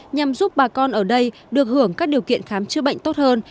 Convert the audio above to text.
nhằm giúp bà con ở đây được hưởng các điều kiện khám chữa bệnh tốt hơn